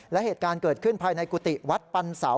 และเหตุการณ์เกิดขึ้นภายในกุฏิวัดปันเสา